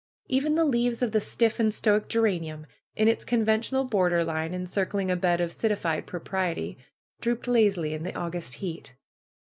EVen the leaves of the stiff and stoic geranium, in its conven tional borderline encircling a bed of citified propriety, drooped lazily in the August heat.